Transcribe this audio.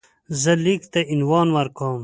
زه لیک ته عنوان ورکوم.